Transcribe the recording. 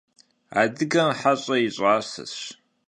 Adıgem heş'e yi ş'aseş.